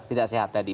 tidak sehat tadi